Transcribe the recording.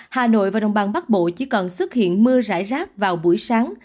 hà nội và đồng bằng bắc bộ chỉ còn xuất hiện mưa rải rác vào buổi sáng